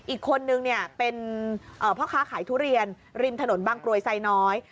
อีกคนนึงเป็นพ่อค้าขายทุเรียนริมถนนบางกรวยไซน้อย